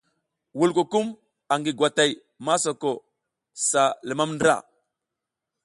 Wulkukum angi gwatay masoko sa lumam ndra.